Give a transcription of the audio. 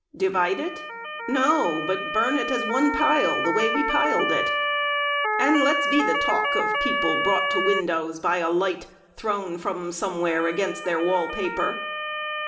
Divide it? No! But burn it as one pile The way we piled it. And let's be the talk Of people brought to windows by a light Thrown from somewhere against their wall paper.